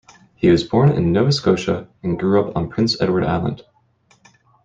He was born in Nova Scotia and grew up on Prince Edward Island.